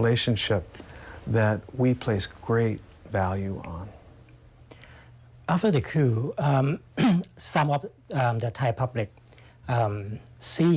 หลังจากคุยผู้ชายไทยเห็นว่าอเมริกาจักรในไทยอยู่ที่นี่